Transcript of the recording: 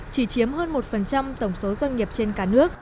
chỉ chiếm hơn một tổng số doanh nghiệp trên cả nước